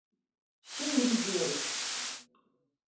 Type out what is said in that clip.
Şimdi gidiyoruz.